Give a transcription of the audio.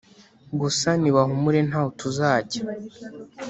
Gusa nibahumure ntaho tuzajya